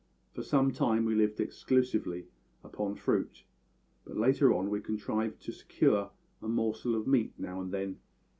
For some time we lived exclusively upon fruit; but later on we contrived to secure a morsel of meat now and then.